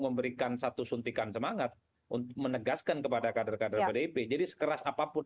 memberikan satu suntikan semangat untuk menegaskan kepada kader kader pdip jadi sekeras apapun